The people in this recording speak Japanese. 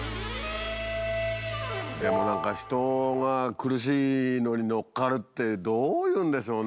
でも何か人が苦しいのにのっかるってどういうんでしょうね？